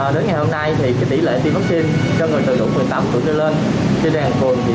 đến ngày hôm nay thì tỷ lệ tiêm vaccine cho người tầm lượng phương tạm tưởng như lên